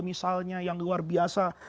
misalnya yang luar biasa